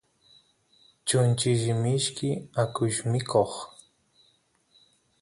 chunchilli mishki akush mikoq